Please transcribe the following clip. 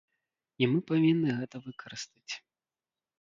І мы павінны гэта выкарыстаць.